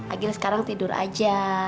agil sekarang tidur aja